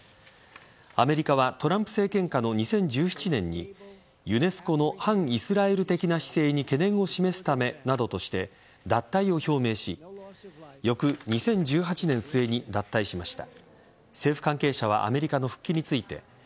アメリカはトランプ政権下の２０１７年にユネスコの反イスラエル的な姿勢に懸念を示すためなどとして脱退を表明し翌２０１８年末に脱退しました。